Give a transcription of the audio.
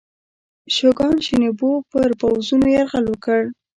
شوګان شینوبو پر پوځونو یرغل وکړ.